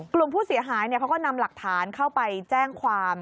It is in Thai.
กลุ่มผู้เสียหายเขาก็นำหลักฐานเข้าไปแจ้งความ